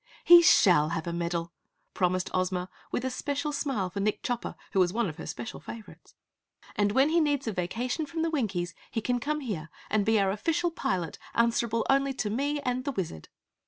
"He shall have a medal!" promised Ozma, with a special smile for Nick Chopper who was one of her special favorites. "And when he needs a vacation from the Winkies, he can come here and be our official Pilot answerable only to me and to the Wizard!"